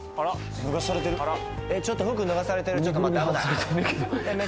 脱がされてるえっちょっと服脱がされてるちょっと待って危ないえっ